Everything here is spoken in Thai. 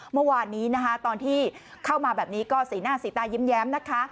เมื่อวานนี้นะคะตอนที่เข้ามาแบบนี้ก็สีหน้าสีตายิ้มนะคะ